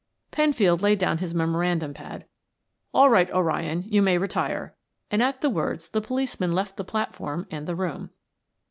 Penfield laid down his memorandum pad. "All right, O'Ryan; you may retire," and at the words the policeman left the platform and the room.